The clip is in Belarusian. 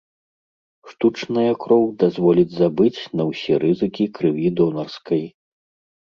Штучная кроў дазволіць забыць на ўсе рызыкі крыві донарскай.